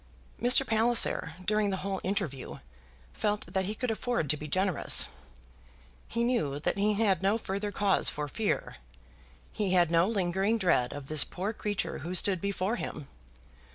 Mr. Palliser, during the whole interview, felt that he could afford to be generous. He knew that he had no further cause for fear. He had no lingering dread of this poor creature who stood before him.